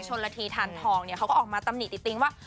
ชนลฐีทานทองเขาก็ออกมาตำหนิติ๊บตึงว่า